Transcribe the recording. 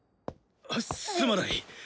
あすまない。